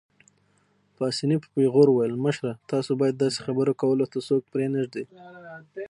پاسیني په پېغور وویل: مشره، تاسو باید داسې خبرې کولو ته څوک پرېنږدئ.